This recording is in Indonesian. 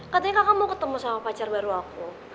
katanya kamu mau ketemu sama pacar baru aku